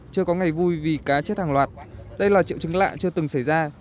chưa có ngày vui vì cá chết hàng loạt đây là triệu chứng lạ chưa từng xảy ra